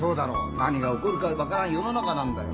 何が起こるか分からん世の中なんだよ。